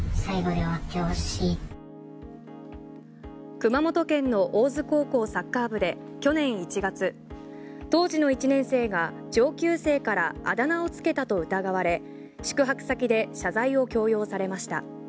熊本県の大津高校サッカー部で去年１月、当時の１年生が上級生からあだ名をつけたと疑われ宿泊先で謝罪を強要されました。